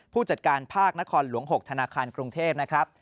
ผู้จัดการภาคนครหลวง๖ธนาคารกรุงเทพนะครับ